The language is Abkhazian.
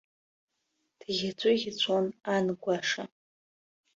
Дӷьаҵәыӷьаҵәуан ан гәаша.